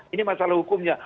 ini masalah hukumnya